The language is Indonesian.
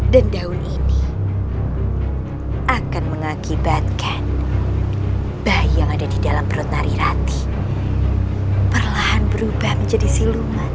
dan daun ini akan mengakibatkan bayi yang ada di dalam perut narirati perlahan berubah menjadi siluman